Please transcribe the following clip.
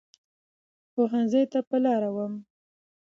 پوهنځۍ ته په لاره وم.